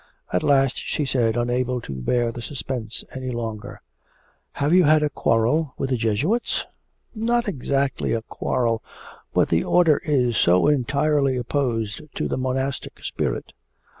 At last she said, unable to bear the suspense any longer 'Have you had a quarrel with the Jesuits?' 'Not exactly a quarrel, but the order is so entirely opposed to the monastic spirit.